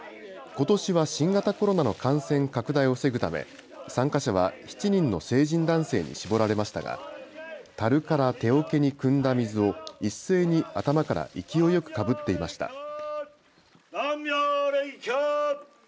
ことしは新型コロナの感染拡大を防ぐため参加者は７人の成人男性に絞られましたがたるから手おけにくんだ水を一斉に頭から勢いよくかぶっていました。